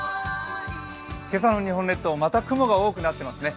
今朝の日本列島、また雲が多くなっていますね。